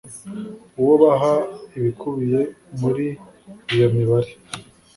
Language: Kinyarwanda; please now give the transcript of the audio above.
uwo baha ibikubiye muri iyo mibare